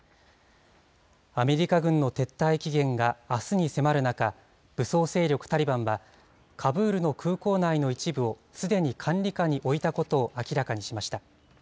アメリカ軍の撤退期限があすに迫る中、武装勢力タリバンは、カブールの空港内の一部を、すでに管理下に置いたことを明らかにしました。